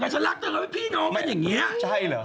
มันก็พี่น้องกันอย่างเงีย